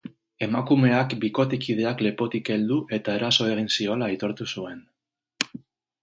Emakumeak bikotekideak lepotik heldu eta eraso egin ziola aitortu zuen.